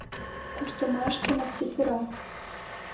Куштымашке Макси пура.